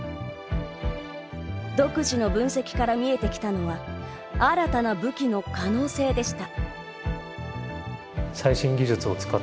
独自の分析から見えてきたのは新たな武器の可能性でした。